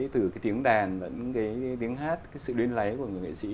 từ cái tiếng đàn và những cái tiếng hát cái sự đuyên lấy của người nghệ sĩ